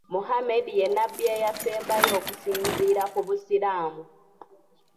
Muhammed ye nnabbi eyasembayo okusinziira ku busiraamu.